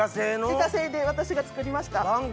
自家製で私が作りました。